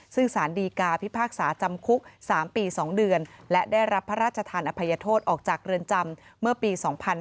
ซึ่งสารดีกาพิพากษาจำคุก๓ปี๒เดือนและได้รับพระราชทานอภัยโทษออกจากเรือนจำเมื่อปี๒๕๕๙